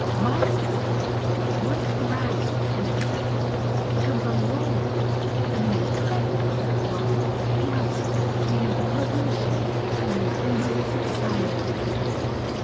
"My system, once grasped and accepted, becomes a law, and the effect of that law must be a revolution in human society.